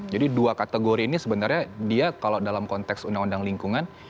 jadi dua kategori ini sebenarnya dia kalau dalam konteks undang undang lingkungan